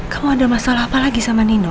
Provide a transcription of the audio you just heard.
kamu ada masalah apa lagi sama nino